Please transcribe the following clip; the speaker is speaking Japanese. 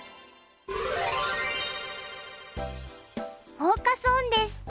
フォーカス・オンです。